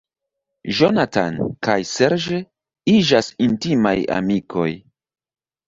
Jonathan kaj Serge iĝas intimaj amikoj.